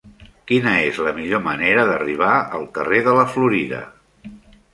Quina és la millor manera d'arribar al carrer de la Florida?